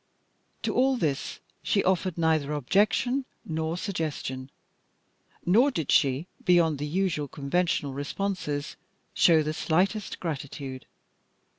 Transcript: To all this she offered neither objection nor suggestion, nor did she, beyond the usual conventional responses, show the slightest gratitude.